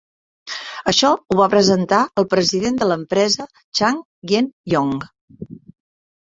Això ho va presentar el president de l'empresa, Chang Yeng Yong.